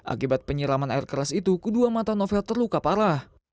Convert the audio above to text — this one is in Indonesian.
akibat penyiraman air keras itu kedua mata novel terluka parah